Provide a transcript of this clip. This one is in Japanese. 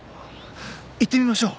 行ってみましょう。